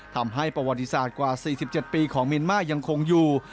ทำให้ประวัติศาสตร์กว่า๔๗ปีของเมียนมาร์ยังคงอยู่